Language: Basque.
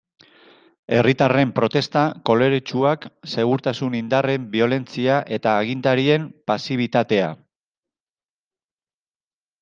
Herritarren protesta koloretsuak, segurtasun indarren biolentzia eta agintarien pasibitatea.